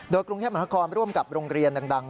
โดยกรุงเทพมนาคอร์นไปร่วมกับโรงเรียนดัง